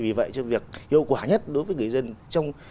vì vậy trong việc hiệu quả nhất đối với người dân